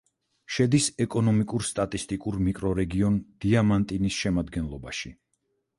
შედის ეკონომიკურ-სტატისტიკურ მიკრორეგიონ დიამანტინის შემადგენლობაში.